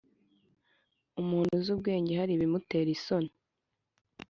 umuntu uzi ubwenge hari bimutera isoni.